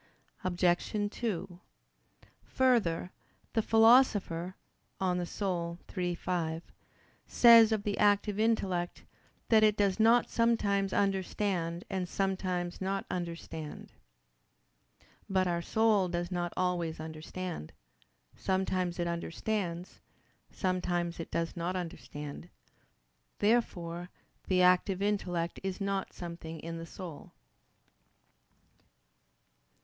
Obj. 2: Further, the Philosopher (De Anima iii, 5) says of the active intellect, "that it does not sometimes understand and sometimes not understand." But our soul does not always understand: sometimes it understands, sometimes it does not understand. Therefore the active intellect is not something in our soul.